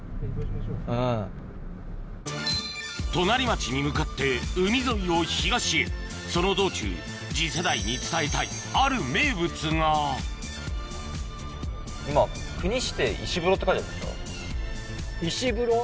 隣町に向かって海沿いを東へその道中次世代に伝えたいある名物が石風呂？